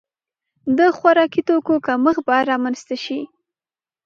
د خوراکي توکو کمښت به رامنځته شي.